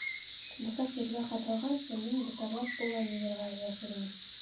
Бысаҡ ергә ҡаҙалғансы, мин ботарлап болан йығырға өлгәшер инем.